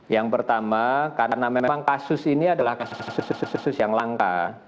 yang pertama karena memang kasus ini adalah kasus kasus yang langka